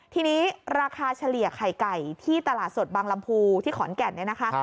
ทีนี้ราคาเฉลี่ยไข่ไก่ที่ตลาดสดบางลำพูที่ขอนแก่นเนี่ยนะคะ